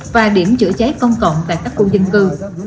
và điểm chữa cháy công cộng tại các khu dân cư